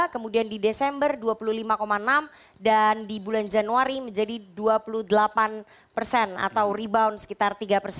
kemudian di desember dua puluh lima enam dan di bulan januari menjadi dua puluh delapan persen atau rebound sekitar tiga persen